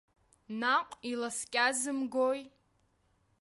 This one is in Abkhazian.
Наҟ иласкьазымгои.